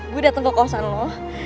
gue dateng ke kosan lo